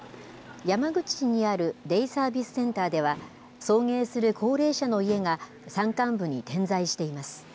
山口市にあるデイサービスセンターでは、送迎する高齢者の家が、山間部に点在しています。